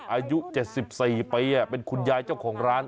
อายุ๗๔ปีเป็นคุณยายเจ้าของร้าน